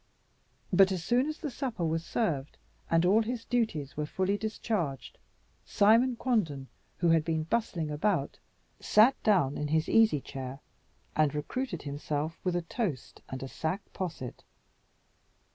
But as soon as the supper was served, and all his duties were fully discharged, Simon Quanden, who had been bustling about, sat down in his easy chair, and recruited himself with a toast and a sack posset.